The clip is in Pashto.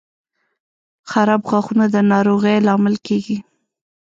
• خراب غاښونه د ناروغۍ لامل کیږي.